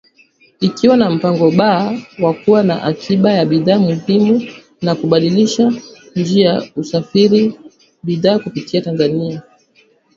Ikiwa na mpango B wa kuwa na akiba ya bidhaa muhimu na kubadilisha njia usafarishaji bidhaa kupitia Tanzania